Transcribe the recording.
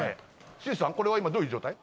新内さんこれは今どういう状態？